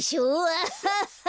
アハハハ。